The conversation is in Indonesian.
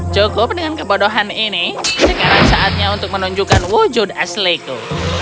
cukup dengan kebodohan ini sekarang saatnya untuk menunjukkan wujud asleko